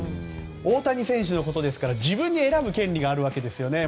大谷選手のことですから自分に選ぶ権利があるわけですよね。